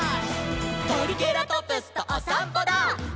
「トリケラトプスとおさんぽダー！！」